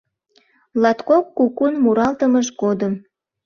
Латкок кукун муралтымыж годым